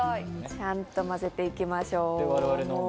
ちゃんと混ぜていきましょう。